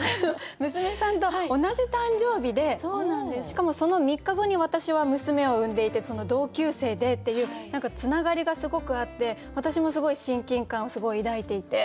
しかもその３日後に私は娘を産んでいて同級生でっていう何かつながりがすごくあって私もすごい親近感をすごい抱いていて。